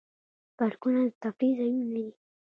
پارکونه د تفریح ځایونه دي